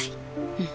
うん。